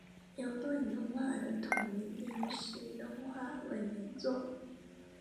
日本国语国字问题中的汉字进行废止或者更改的语言政策问题。